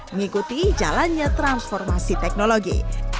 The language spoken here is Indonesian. mengikuti jalannya transformasi teknologi